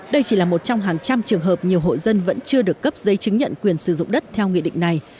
đây chỉ là một trong hàng trăm trường hợp nhiều hộ dân vẫn chưa được cấp giấy chứng nhận quyền sử dụng đất theo nghị định này